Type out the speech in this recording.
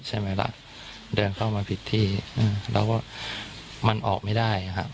ใช่ไหมล่ะเดินเข้ามาผิดที่แล้วก็มันออกไม่ได้ครับ